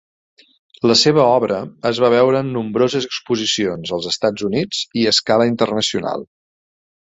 La seva obra es va veure en nombroses exposicions als Estats Units i a escala internacional.